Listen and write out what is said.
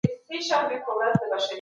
معلومات په ډېر دقت سره منظم سوي دي.